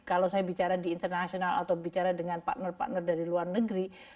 kalau saya bicara di internasional atau bicara dengan partner partner dari luar negeri